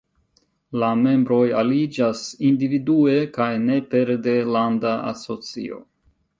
La membroj aliĝas individue, kaj ne pere de landa asocio.